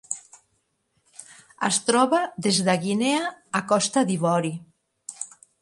Es troba des de Guinea a Costa d'Ivori.